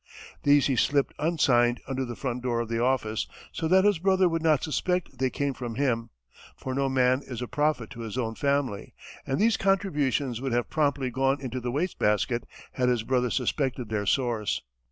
These he slipped unsigned under the front door of the office, so that his brother would not suspect they came from him; for no man is a prophet to his own family, and these contributions would have promptly gone into the waste basket had his brother suspected their source.